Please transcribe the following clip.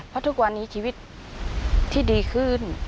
เพราะทุกวันนี้ชีวิตที่ดีขึ้น